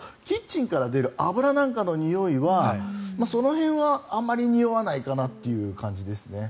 あと、キッチンから出る油なんかのにおいはその辺はあまりにおわないかなという感じですね。